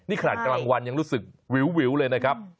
นี่ขนาดกลางวันยังรู้สึกวิวเลยนะครับ